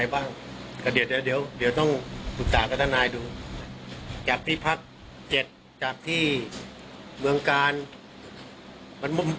พอไปถึงถามครอบครับ